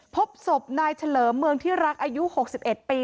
พบศพนายเฉลิมเมืองที่รักอายุ๖๑ปี